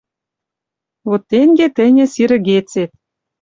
Вот тенте тӹньӹ сирӹгецет: